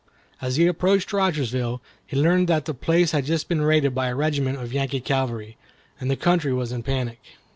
As he approached Rogersville, he learned that the place had just been raided by a regiment of Yankee cavalry, and the country was in a panic.